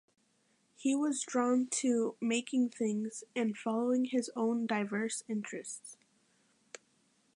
He was drawn to "making things" and following his own diverse interests.